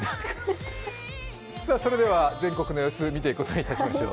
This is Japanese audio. それでは全国の様子を見ていくことにいたしましょう。